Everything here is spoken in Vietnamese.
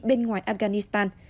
bên ngoài afghanistan